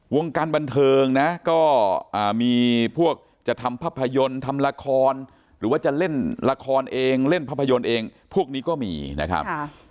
วงการบันเทิงนะก็มีพวกจะทำภาพยนตร์ทำละครหรือว่าจะเล่นละครเองเล่นภาพยนตร์เองพวกนี้ก็มีนะครับ